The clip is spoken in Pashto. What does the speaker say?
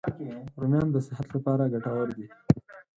رومیان د صحت لپاره ګټور دي